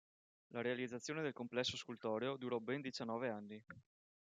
La realizzazione del complesso scultoreo durò ben diciannove anni.